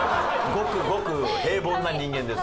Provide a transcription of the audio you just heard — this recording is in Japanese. ごくごく平凡な人間ですよ。